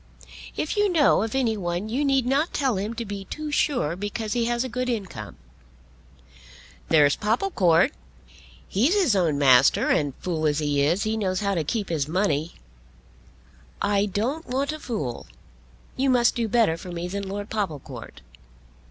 If you know of any one you need not tell him to be too sure because he has a good income." "There's Popplecourt. He's his own master, and, fool as he is, he knows how to keep his money." "I don't want a fool. You must do better for me than Lord Popplecourt."